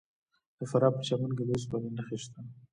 د فراه په پرچمن کې د وسپنې نښې شته.